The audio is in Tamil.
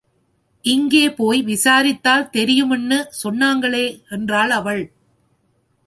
இங்கே போய் விசாரித்தால் தெரியும்னு சொன்னாங்களே என்றாள் அவள்.